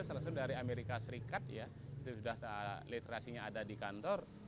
salah satu dari amerika serikat ya itu sudah literasinya ada di kantor